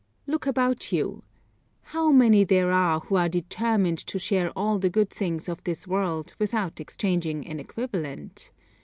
Look about you; how many there are who are determined to share all the good things of this world without exchanging an equivalent.